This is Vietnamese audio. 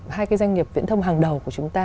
hai cái doanh nghiệp viễn thông hàng đầu của chúng ta